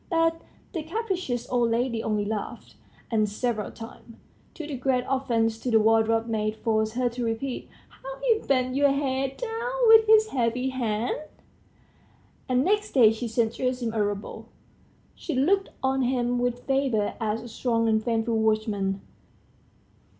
But the capricious old lady only laughed, and several times, to the great offence of the wardrobe maid, forced her to repeat "how he bent your head down with his heavy hand," and next day she sent Gerasim a rouble. She looked on him with favor as a strong and faithful watchman.